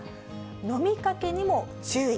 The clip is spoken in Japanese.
飲みかけにも注意。